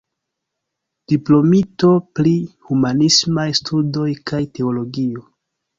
Diplomito pri Humanismaj Studoj kaj Teologio.